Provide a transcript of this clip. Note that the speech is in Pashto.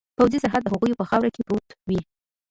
پوځي سرحد د هغوی په خاوره کې پروت وي.